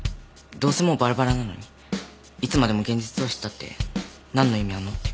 どうせもうばらばらなのにいつまでも現実逃避したって何の意味あんの？